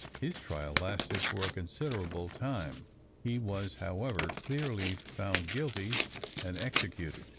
His trial lasted for a considerable time. He was, however, clearly found guilty, and executed.